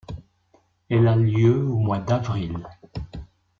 Elle a lieu au mois d'avril.